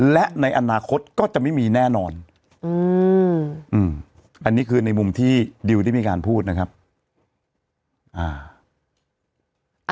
และในอนาคตก็จะไม่มีแน่นอนอืมอันนี้คือในมุมที่ดิวได้มีการพูดนะครับ